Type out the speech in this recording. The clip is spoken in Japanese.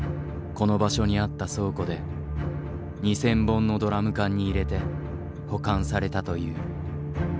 この場所にあった倉庫で２，０００本のドラム缶に入れて保管されたという。